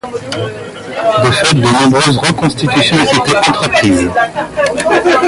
De fait de nombreuses reconstitutions ont été entreprises.